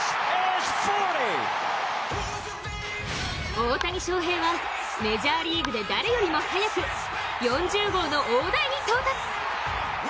大谷翔平はメジャーリーグで誰よりも早く４０号の大台に到達。